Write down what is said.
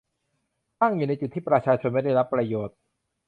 ตั้งอยู่ในจุดที่ประชาชนไม่ได้รับประโยชน์